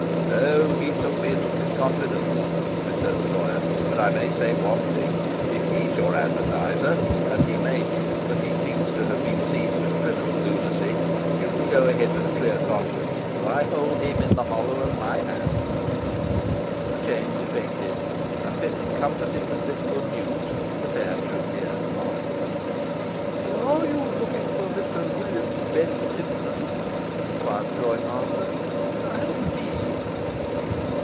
'O, he took me into his confidence,' returned the lawyer. 'But I may say one thing: if he's your advertiser (and he may be, for he seems to have been seized with criminal lunacy) you can go ahead with a clear conscience, for I hold him in the hollow of my hand.' The change effected, and Pitman comforted with this good news, the pair drew near to Morris. 'Are you looking for Mr William Bent Pitman?' enquired the drawing master. 'I am he.